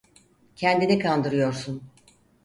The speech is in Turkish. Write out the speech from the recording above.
Kendini kandırıyorsun.